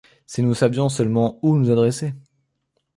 Si nous savions seulement où nous adresser!